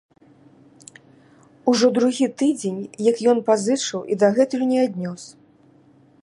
Ужо другі тыдзень, як ён пазычыў і дагэтуль не аднёс.